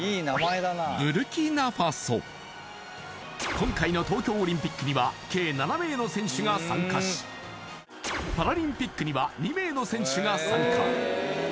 今回の東京オリンピックには計７名の選手が参加しパラリンピックには２名の選手が参加